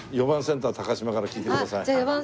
４番センター高島から聞いてください。